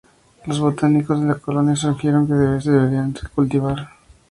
Los botánicos de la colonia sugirieron que se deberían cultivar.